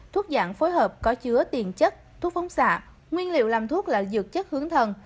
thuốc dạng phối hợp có chứa tiền chất thuốc phóng xạ nguyên liệu làm thuốc là dược chất hướng thần